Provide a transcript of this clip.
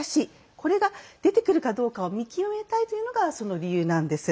これが出てくるかどうか見極めたいというのがその理由なんです。